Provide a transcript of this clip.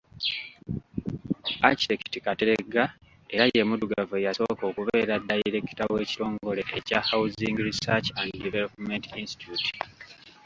Architect Kateregga era ye muddugavu eyasooka okubeera Ddayirekita w’ekitongole ekya Housing Research & Development Institute.